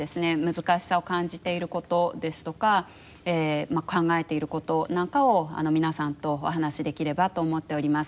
難しさを感じていることですとか考えていることなんかを皆さんとお話できればと思っております。